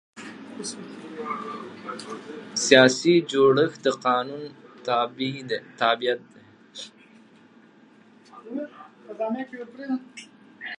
سیاسي جوړښت د قانون تابع دی